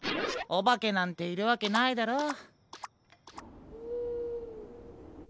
おばけなんているわけないだろ？